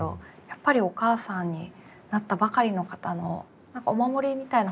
やっぱりお母さんになったばかりの方の何かお守りみたいな本にもなりそうですね。